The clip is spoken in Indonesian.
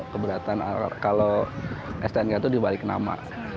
keberatan kalau stnk itu dibalik nama